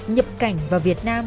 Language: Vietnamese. nhập cảnh vào việt nam